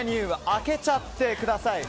開けちゃってください。